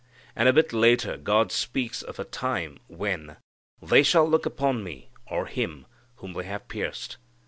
And a bit later God speaks of a time when "they shall look upon Me (or Him) whom they have pierced."